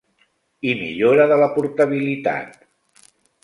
I millora de la portabilitat.